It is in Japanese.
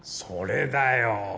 それだよ。